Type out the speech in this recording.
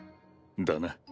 だな。